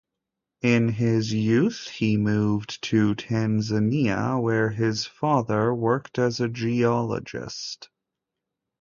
In his youth, he moved to Tanzania, where his father worked as a geologist.